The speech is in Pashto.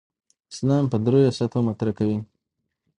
اسلام په درېو سطحو مطرح کوي.